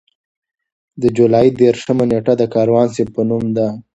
د جولای دېرشمه نېټه د کاروان صیب په نوم ده.